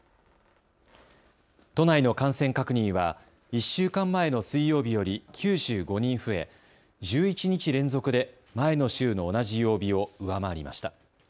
都内の感染確認は１週間前の水曜日より９５人増え、１１日連続で前の週の同じ曜日を上回りました。